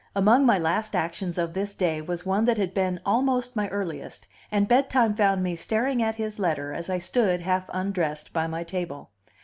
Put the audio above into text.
Among my last actions of this day was one that had been almost my earliest, and bedtime found me staring at his letter, as I stood, half undressed, by my table.